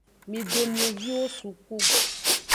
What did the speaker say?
Mido mioviwo suku.